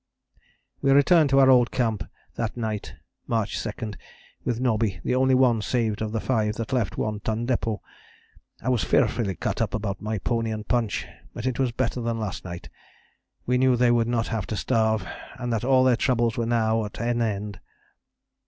"We returned to our old camp that night (March 2) with Nobby, the only one saved of the five that left One Ton Depôt. I was fearfully cut up about my pony and Punch, but it was better than last night; we knew they would not have to starve and that all their troubles were now at an end.